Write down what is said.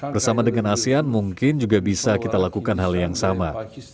bersama dengan asean mungkin juga bisa kita lakukan hal yang sama